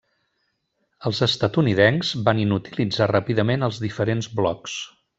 Els estatunidencs van inutilitzar ràpidament els diferents blocs.